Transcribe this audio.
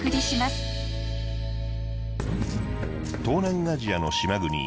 東南アジアの島国